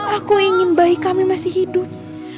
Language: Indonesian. aku ingin bayi kami masih hidup